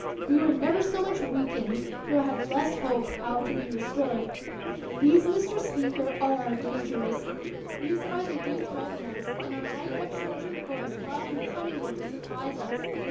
We were never so much weakened, nor had less hope how to be restored ! These, Mr. Speaker, are our dangers ; these are they do threaten us, and are like that Trojan horse brought in cunningly to surprise us!